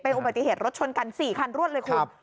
อุบัติเหตุรถชนกัน๔คันรวดเลยคุณ